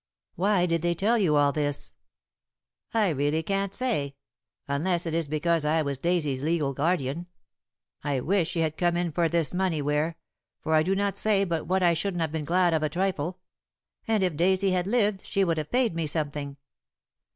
"Why did they tell you all this?" "I really can't say, unless it is because I was Daisy's legal guardian. I wish she had come in for this money, Ware, for I do not say but what I shouldn't have been glad of a trifle. And if Daisy had lived she would have paid me something.